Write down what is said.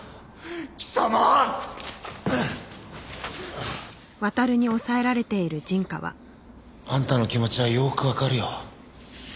貴様！あんたの気持ちはよくわかるよ。